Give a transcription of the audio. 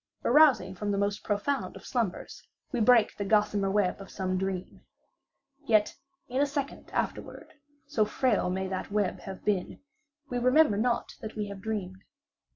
Arousing from the most profound of slumbers, we break the gossamer web of some dream. Yet in a second afterward, (so frail may that web have been) we remember not that we have dreamed.